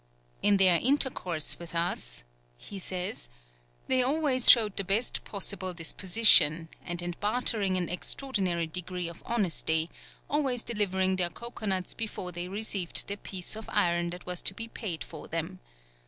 "In their intercourse with us," he says, "they always showed the best possible disposition, and in bartering an extraordinary degree of honesty, always delivering their cocoa nuts before they received the piece of iron that was to be paid for them.